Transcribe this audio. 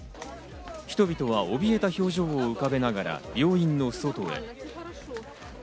人々はおびえた表情を浮かべながら病院の外へ。